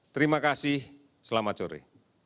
terima kasih selamat sore